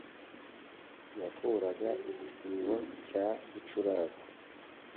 yakuraga igisibo cya Gicurasi